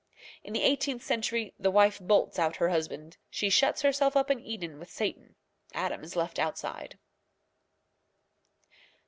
In the eighteenth century the wife bolts out her husband. She shuts herself up in Eden with Satan. Adam is left outside.